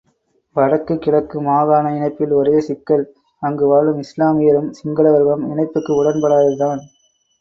வடக்கு கிழக்கு மாகாண இணைப்பில் ஒரே சிக்கல், ஆங்கு வாழும் இஸ்லாமியரும் சிங்களவர்களும் இணைப்புக்கு உடன் பாடததுதான்!